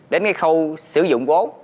đến cái khâu sử dụng vốn